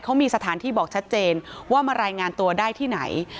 เขามีสถานที่บอกชัดเจนว่ามารายงานตัวได้ที่ไหน